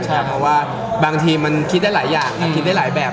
เพราะว่าบางทีมันคิดได้หลายอย่างมันคิดได้หลายแบบ